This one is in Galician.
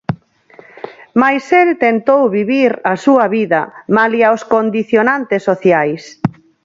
Mais el tentou vivir a súa vida malia os condicionantes sociais.